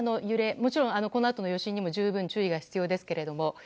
もちろんこのあとの余震にも十分注意が必要ですけれども。